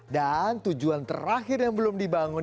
dan tujuan terakhir yang belum dibangun